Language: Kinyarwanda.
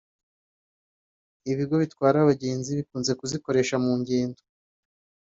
ibigo bitwara abagenzi bikunze kuzikoresha mu ngendo